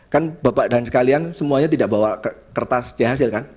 kan bapak dan sekalian semuanya tidak bawa kertasnya hasil kan